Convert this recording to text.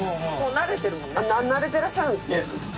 慣れてらっしゃるんですか。